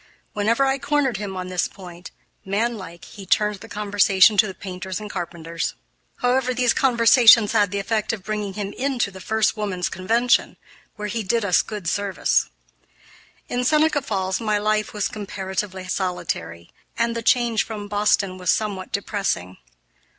Whenever I cornered him on this point, manlike he turned the conversation to the painters and carpenters. However, these conversations had the effect of bringing him into the first woman's convention, where he did us good service. In Seneca Falls my life was comparatively solitary, and the change from Boston was somewhat depressing.